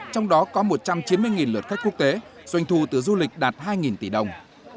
trong đó có một trăm chín mươi lượt khách quốc tế doanh thu từ du lịch đạt hai tỷ đồng